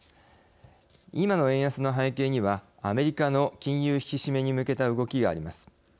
今の円安の背景にはアメリカの金融引き締めに向けた動きがあります。